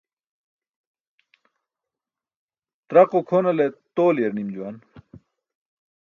Traqo kʰonale tooli̇yar nim juwan.